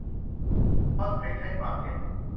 ซอสพริกให้ความเผ็ด